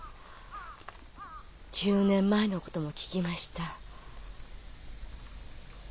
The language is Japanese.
９年前のことも聞きました。